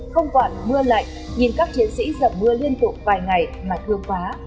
không quản mưa lạnh nhìn các chiến sĩ giậm mưa liên tục vài ngày mà thương quá